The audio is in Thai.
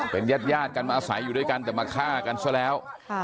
เป็นญาติกันมาอาศัยอยู่ด้วยกันแต่มาฆ่ากันซะแล้ว